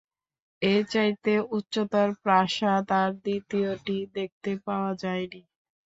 এর চাইতে উচ্চতর প্রাসাদ আর দ্বিতীয়টি দেখতে পাওয়া যায়নি।